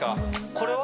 これは？